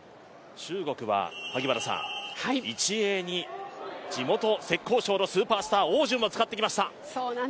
中国は１泳に地元・浙江省のスーパースター、汪順を使ってきました。